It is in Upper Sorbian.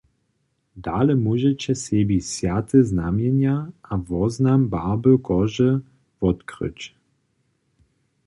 Dale móžeće sebi swjate znamjenja a woznam barby kože wotkryć.